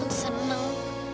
harusnya aku seneng